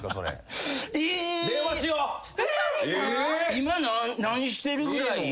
「今何してる？」ぐらい。